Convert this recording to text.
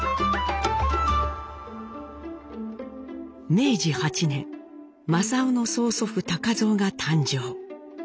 明治８年正雄の曽祖父蔵が誕生。